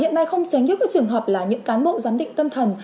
hiện nay không sáng nhất cái trường hợp là những cán bộ giám định tâm thần